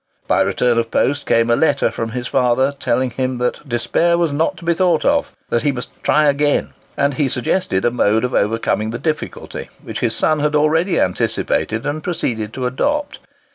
By return of post came a letter from his father, telling him that despair was not to be thought of—that he must "try again;" and he suggested a mode of overcoming the difficulty, which his son had already anticipated and proceeded to adopt.